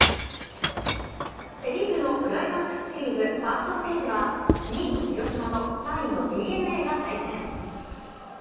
セ・リーグのクライマックスシリーズファーストステージは２位の広島と３位のＤｅＮＡが対戦。